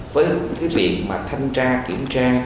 với cái việc mà thanh tra kiểm tra